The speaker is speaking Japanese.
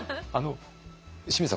清水さん